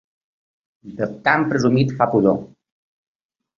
De tan presumit fa pudor.